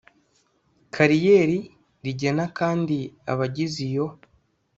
Kariyeri rigena kandi abagize iyo